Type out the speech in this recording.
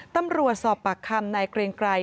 ตำรวจสอบปากคำนายเกรงไกร